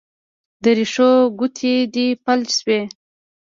د رېښو ګوتې دې فلج شوي